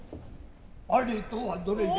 あれとはどれじゃ。